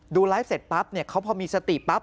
ดูไลฟ์เสร็จปั๊บเขาพอมีสติปั๊บ